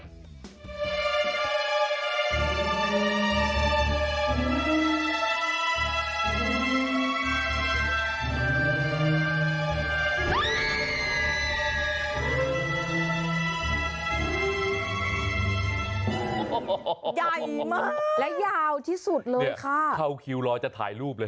โอ้โหใหญ่มากและยาวที่สุดเลยค่ะเข้าคิวรอจะถ่ายรูปเลย